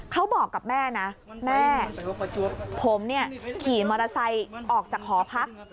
เขาบอกกับแม่นะแม่ผมเนี่ยขี่มอเตอร์ไซค์ออกจากหอพัก